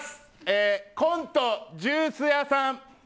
コント、ジュース屋さん。